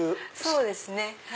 そうですね。